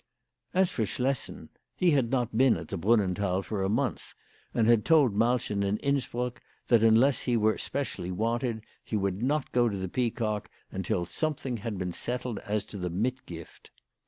As for Schlessen he had not been at the Brunnen thal for a month, and had told Malchen in Innsbruck that unless he were specially wanted, he would not go to the Peacock until something had been settled as to the mitgift.